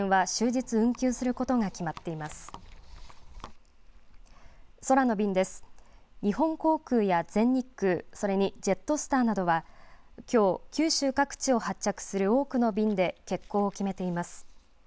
日本航空や全日空、それにジェットスターなどはきょう九州各地を発着する多くの便で欠航を決めています。